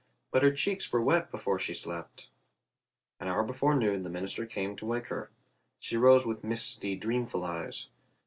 But her cheeks were wet before she slept. An hour before noon the minister came to wake her. She rose with misty, dreamful eyes.